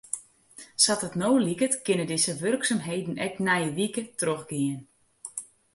Sa't it no liket kinne dizze wurksumheden ek nije wike trochgean.